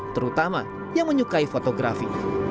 terutama yang menyukai fotografi